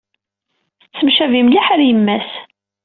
Tettemcabi mliḥ ɣer yemma-s.